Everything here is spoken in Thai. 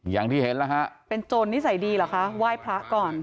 อย่างที่เห็นแล้วฮะเป็นโจรนิสัยดีเหรอคะไหว้พระก่อน